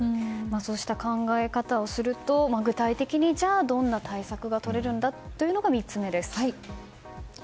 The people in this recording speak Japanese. そうした考え方をすると具体的にじゃあどんな対策がとれるんだというのが３つ目です。